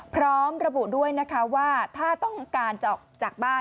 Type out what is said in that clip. พร้อมระบุด้วยนะคะว่าถ้าต้องการจะออกจากบ้าน